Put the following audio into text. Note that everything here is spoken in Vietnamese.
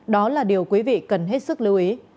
đó là điều quý vị cần hết sức lưu ý